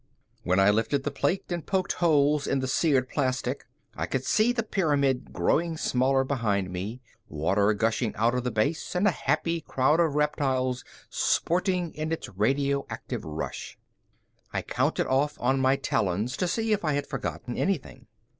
When I lifted the plate and poked holes in the seared plastic, I could see the pyramid growing smaller behind me, water gushing out of the base and a happy crowd of reptiles sporting in its radioactive rush. I counted off on my talons to see if I had forgotten anything.